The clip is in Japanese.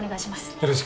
よろしく。